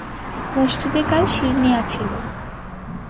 মসজিদে কাল শিরনি আছিলো।